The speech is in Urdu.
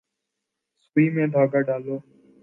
سوئی میں دھاگہ ڈالو۔